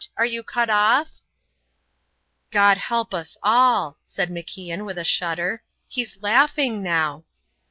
Are you cut off?" "God help us all!" said MacIan, with a shudder; "he's laughing now."